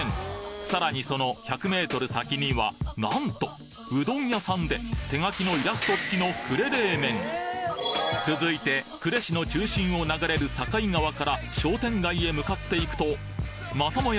さらにその１００ｍ先にはなんとうどん屋さんで手書きのイラスト付きの呉冷麺続いて呉市の中心を流れる堺川から商店街へ向かっていくとまたもや